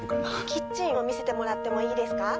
キッチンを見せてもらってもいいですか？